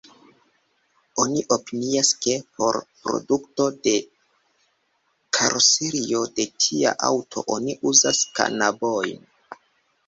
Oni opinias, ke por produkto de karoserio de tia aŭto oni uzos kanabojn.